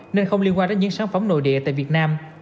nên không liên quan đến những sản phẩm nội địa tại việt nam